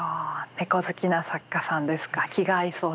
猫好きな作家さんですか気が合いそうです。